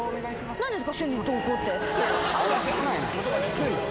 何ですか？